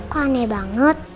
kok aneh banget